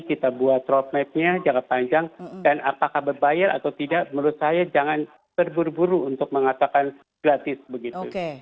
kita buat roadmapnya jangka panjang dan apakah berbayar atau tidak menurut saya jangan terburu buru untuk mengatakan gratis begitu